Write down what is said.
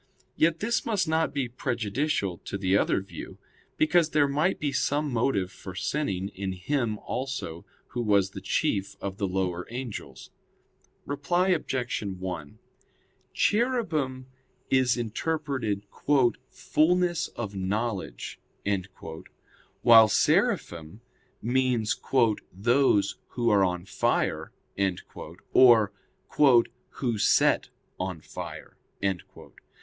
Yet this must not be prejudicial to the other view; because there might be some motive for sinning in him also who was the chief of the lower angels. Reply Obj. 1: Cherubim is interpreted "fulness of knowledge," while "Seraphim" means "those who are on fire," or "who set on fire."